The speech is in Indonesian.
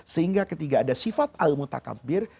sehingga ketika ada sifat al mutakabbir